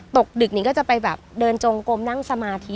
ตกดึกนี้ก็จะไปแบบเดินจงกลมนั่งสมาธิ